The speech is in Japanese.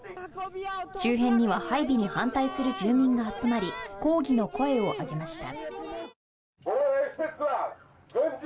周辺には配備に反対する住民が集まり抗議の声を上げました。